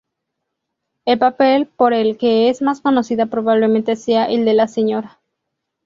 El papel por el que es más conocida probablemente sea el de la Sra.